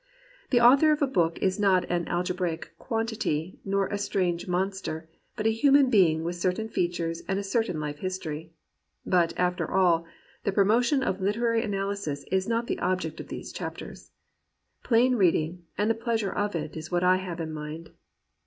The author of a book is not an algebraic quantity nor a strange monster, but a human being with certain features and a certain life history. But, after all, the promotion of literary analysis is not the object of these chapters. Plain reading, and the pleasure of it, is what I have in mind.